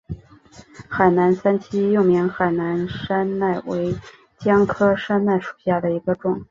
海南三七又名海南山柰为姜科山柰属下的一个种。